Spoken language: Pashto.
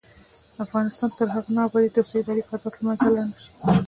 افغانستان تر هغو نه ابادیږي، ترڅو اداري فساد له منځه لاړ نشي.